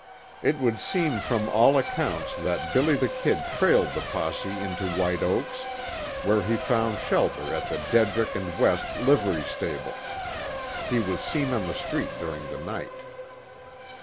It would seem from all accounts that "Billy the Kid" trailed the posse into White Oaks, where he found shelter at the Dedrick and West Livery Stable. He was seen on the street during the night.